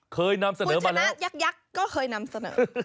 เคยนำเสนอมาแล้วคุณชนะยักษ์ยักษ์ก็เคยนำเสนอ